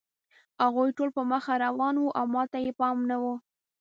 هغوی ټول په مخه روان وو او ما ته یې پام نه و